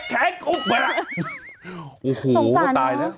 สงสารนะ